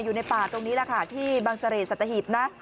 อยู่ในป่าตรงนี้แหละค่ะที่บางเสร่สัตหิบนะ